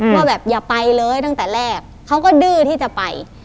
ว่าแบบอย่าไปเลยตั้งแต่แรกเขาก็ดื้อที่จะไป